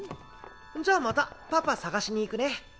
じゃあまたパパ捜しに行くね。